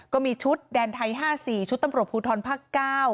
ก็มีชุดแดนไทย๕๔ชุดตำรวจภูทรภาค๙